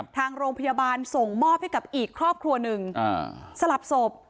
ทางโรงพยาบาลส่งมอบให้กับอีกครอบครัวหนึ่งสลับศพ